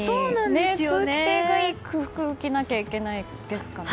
通気性がいい服を着なきゃいけないですかね。